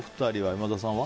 今田さんは？